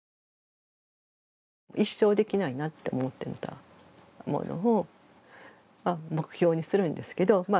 一生できないなって思ってたものを目標にするんですけどまあ